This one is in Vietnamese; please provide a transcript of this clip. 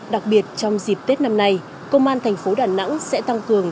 đặc biệt trong dịp tết năm nay công an thành phố đà nẵng sẽ tăng cường